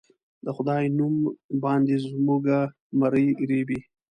د خدای نوم باندې زموږه مرۍ رېبي